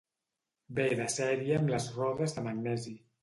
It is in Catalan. Ve de sèrie amb les rodes de magnesi.